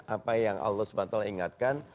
apa yang allah swth ingatkan